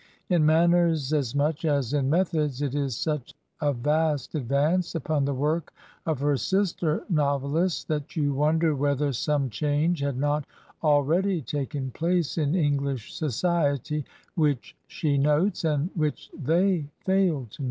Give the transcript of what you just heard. In manners as much as in methods it is such a vast advance upon the work of her sister novelists that you wonder whether some change had not already taken place in EngUsh society which she notes, and which they fail to note.